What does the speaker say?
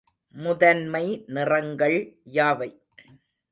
முதன்மை நிறங்கள் யாவை?